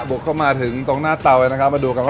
บุกเข้ามาถึงตรงหน้าเตาเลยต้องมาดูกันอีก